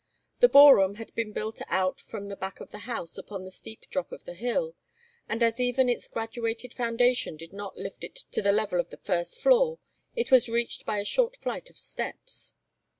The ballroom had been built out from the back of the house upon the steep drop of the hill, and as even its graduated foundation did not lift it to the level of the first floor, it was reached by a short flight of steps.